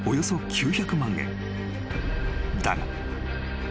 ［だが］